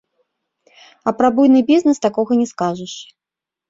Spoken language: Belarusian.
А пра буйны бізнэс такога не скажаш.